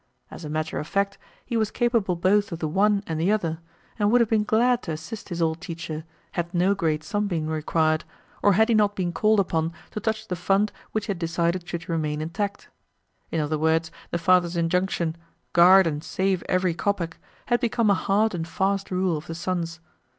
As a matter of fact, he was capable both of the one and the other, and would have been glad to assist his old teacher had no great sum been required, or had he not been called upon to touch the fund which he had decided should remain intact. In other words, the father's injunction, "Guard and save every kopeck," had become a hard and fast rule of the son's.